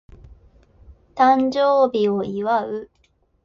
誕生日を祝う